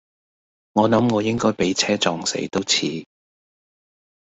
我諗我應該俾車撞死都似